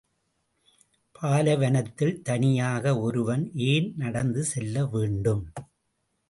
பாலைவனத்தில் தனியாக ஒருவன் ஏன் நடந்து செல்ல வேண்டும்?